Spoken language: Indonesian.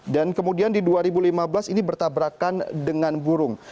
dan kemudian di dua ribu lima belas ini bertabrakan dengan burung